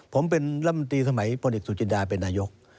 ผมเป็นรำมตีสมัยโพรนเอกสู่จินดาเป็นนายก